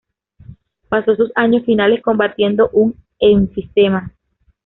Pasó sus años finales combatiendo un enfisema.